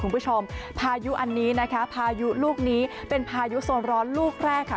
พายุอันนี้นะคะพายุลูกนี้เป็นพายุโซนร้อนลูกแรกค่ะ